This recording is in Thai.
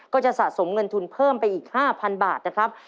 ก็จะสะสมเงินทุนเพิ่มไปอีก๕๐๐บาทนะครับ